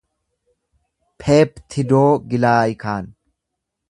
peeptidoogilaayikaan